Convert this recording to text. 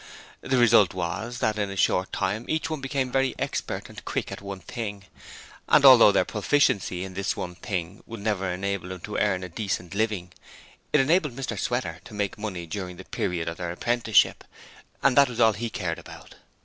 The result was that in a short time each one became very expert and quick at one thing; and although their proficiency in this one thing would never enable them to earn a decent living, it enabled Mr Sweater to make money during the period of their apprenticeship, and that was all he cared about.